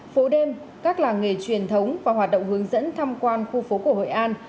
phố đêm các làng nghề truyền thống và hoạt động hướng dẫn tham quan khu phố cổ hội an